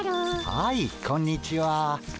はいこんにちは。